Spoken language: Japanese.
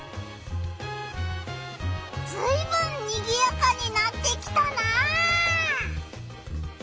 ずいぶんにぎやかになってきたな！